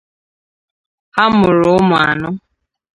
Ha mụrụ ụmụ anọ.